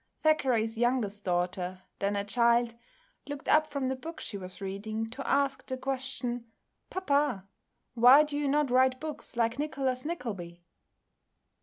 Thackeray's youngest daughter, then a child, looked up from the book she was reading to ask the question, "Papa, why do you not write books like 'Nicholas Nickleby'"?